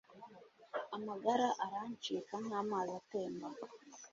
Amagara arancika nk’amazi atemba